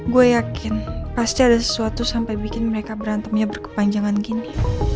gue yakin pasti ada sesuatu sampai bikin mereka berantemnya berkepanjangan gini